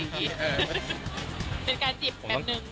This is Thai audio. จีบแหละอะไรอย่างนี้